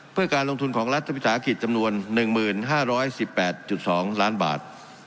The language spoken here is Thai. เพื่อการลงทุนของรัฐวิสาหกิจจำนวน๑๕๑๘๒ล้านบาท